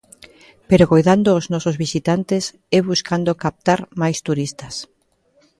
Pero coidando os nosos visitantes e buscando captar máis turistas.